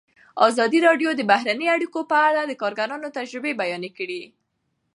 ازادي راډیو د بهرنۍ اړیکې په اړه د کارګرانو تجربې بیان کړي.